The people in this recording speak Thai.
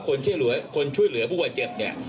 คนช่วยเหลือผู้บาดเจ็บเนี่ย